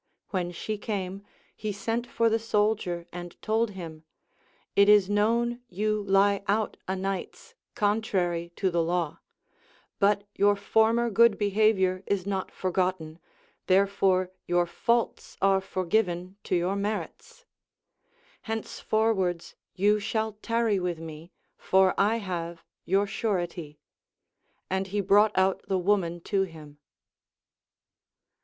When she came, he sent for the soldier and told him : It is known you lie out a nights, contrary to the law ; but your former good be havior is not forgotten, therefore your faults are forgiven to your merits. Henceforwards you shall tarry Avith me, for I have your surety. And he brought out the woman to him.